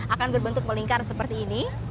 akan berbentuk melingkar seperti ini